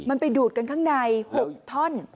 มันไปดูดกันข้างใน๖ท่อน